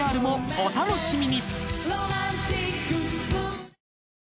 お楽しみに！